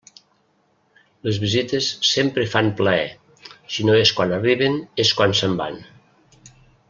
Les visites sempre fan plaer; si no és quan arriben, és quan se'n van.